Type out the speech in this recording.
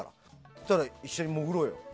そうしたら一緒に潜ろうよ。